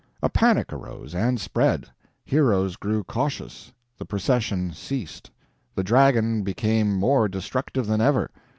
A panic arose and spread. Heroes grew cautious. The procession ceased. The dragon became more destructive than ever.